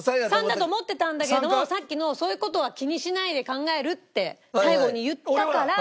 ３だと思ってたんだけどさっきの「そういう事は気にしないで考える」って最後に言ったから。